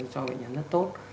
cho bệnh nhân rất tốt